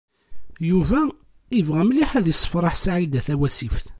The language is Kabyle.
Yuba yebɣa mliḥ ad yessefṛeḥ Saɛida Tawasift.